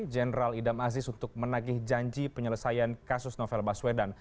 jenderal idam aziz untuk menagih janji penyelesaian kasus novel baswedan